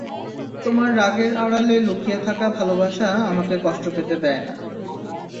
তোমার রাগের আড়ালে লুকিয়ে থাকা ভালোবাসা আমাকে কষ্ট পেতে দেয় না।